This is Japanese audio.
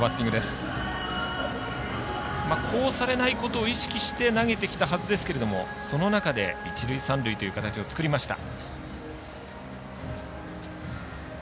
こうされないことを意識して投げてきたはずですけどその中で一塁三塁という形を作りました。